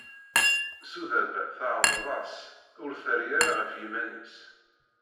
Sudaba tɛemmed-as, ur terri ara ɣef yiman-is.